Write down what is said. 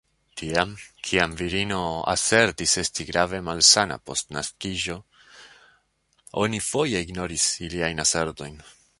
Tiam, kiam virino asertis esti grave malsana post naskiĝo, oni foje ignoris iliajn asertojn.